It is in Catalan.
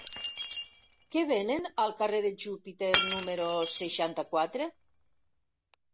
Què venen al carrer de Júpiter número seixanta-quatre?